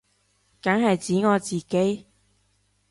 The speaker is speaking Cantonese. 梗係指我自己